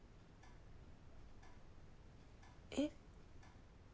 えっ。